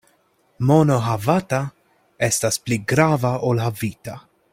Mono havata estas pli grava ol havita.